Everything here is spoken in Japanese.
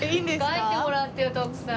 描いてもらってよ徳さん。